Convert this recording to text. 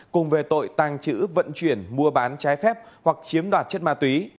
cùng về tội tăng chữ vận chuyển mua bán trái phép hoặc chiếm đoạt chất ma túy